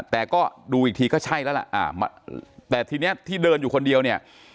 แต่ก็ดูอีกทีก็ใช่แล้วล่ะแต่ทีนี้ที่เดินอยู่คนเดียวเนี่ย